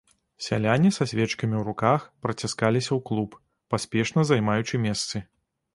Сяляне са свечкамі ў руках праціскаліся ў клуб, паспешна займаючы месцы.